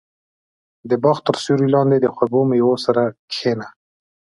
• د باغ تر سیوري لاندې د خوږو مېوو سره کښېنه.